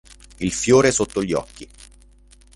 Il fiore sotto gli occhi